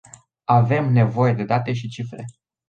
Avem nevoie de date și cifre.